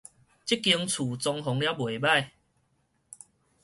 這間厝裝潢了袂䆀